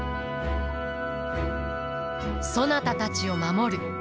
そなたたちを守る。